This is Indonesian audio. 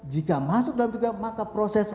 jika masuk ke dalam tubuh kita maka proses